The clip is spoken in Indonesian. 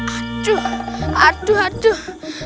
aduh aduh aduh